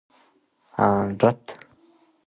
دوی پاڼ پر انګریزانو اړولی وو.